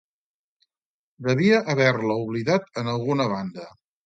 Devia haver-la oblidat en alguna banda.